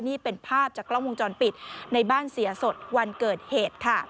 นี่เป็นภาพจากกล้องวงจรปิดในบ้านเสียสดวันเกิดเหตุค่ะ